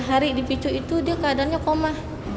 sehari tiga hari di picu itu dia keadaannya koma